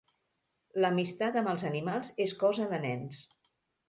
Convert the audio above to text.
L'amistat amb els animals és cosa de nens.